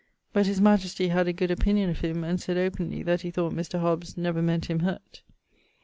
But his majestie had a good opinion of him, and sayd openly that he thought Mr. Hobbes never meant him hurt.'